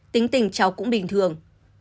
tính tình cháu cũng bình thường